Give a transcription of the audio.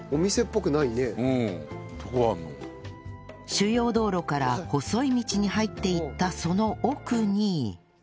主要道路から細い道に入っていったその奥に